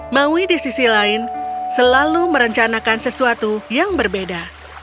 maui di sisi lain selalu merencanakan sesuatu yang berbeda